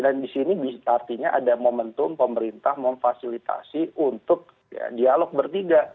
dan di sini artinya ada momentum pemerintah memfasilitasi untuk dialog bertiga